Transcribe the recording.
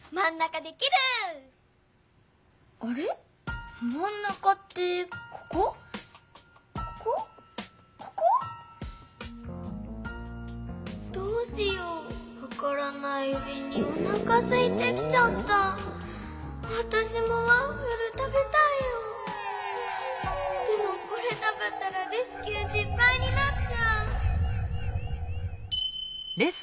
でもこれたべたらレスキューしっぱいになっちゃう！